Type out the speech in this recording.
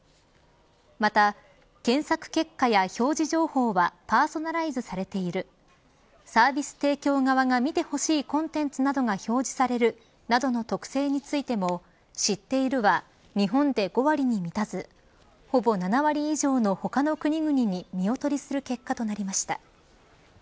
また、検索結果や表示情報はパーソナライズされているサービス提供側が見てほしいコンテンツなどが表示されるなどの特性についても知っているは日本で５割に満たずほぼ７割以上の他の国々に見劣りする結果となりました。